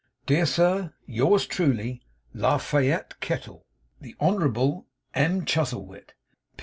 'Dear Sir, 'Yours truly, 'LA FAYETTE KETTLE. 'The Honourable M. Chuzzlewit.